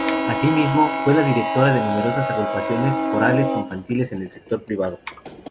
Así mismo, fue la directora de numerosas agrupaciones corales infantiles en el sector privado.